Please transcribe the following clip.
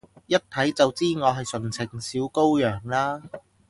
一睇就知我係純情小羔羊啦？